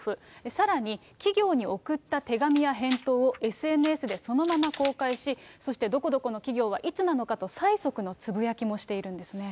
さらに、企業に送った手紙や返答をＳＮＳでそのまま公開し、そしてどこどこの企業はいつなのかと、催促のつぶやきもしているんですね。